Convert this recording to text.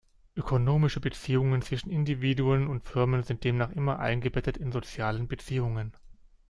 Ökonomische Beziehungen zwischen Individuen und Firmen sind demnach immer eingebettet in soziale Beziehungen.